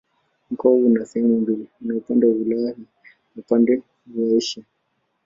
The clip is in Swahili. Mkoa huu una sehemu mbili: una upande wa Ulaya na upande ni Asia.